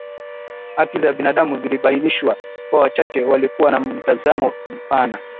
haki za binadamu zilibainisha kuwa wachache walikuwa na mtazamo mpana